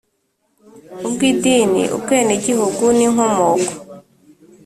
ubwi idini ubwenegihugu n inkomoko